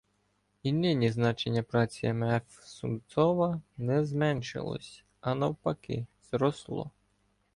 І нині значення праці М. Ф. Сумцова не зменшилося, а навпаки, зросло.